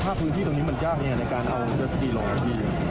ภาพพื้นที่ตรงนี้มันยากไงในการเอาเซอร์สปีลลงกับดี